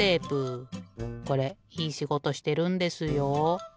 これいいしごとしてるんですよ。